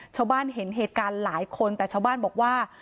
ชาวบ้านเห็นเหตุการณ์หลายคนแต่ชาวบ้านบอกว่า